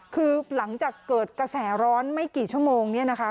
คือหลังจากเกิดกระแสร้อนไม่กี่ชั่วโมงเนี่ยนะคะ